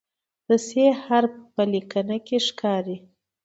د "ث" حرف په لیکنه کې ښکاري.